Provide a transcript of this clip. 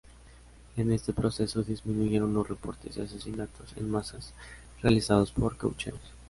En este proceso disminuyeron los reportes de asesinatos en masas realizados por caucheros.